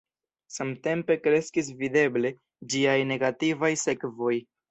Samtempe kreskis videble ĝiaj negativaj sekvoj.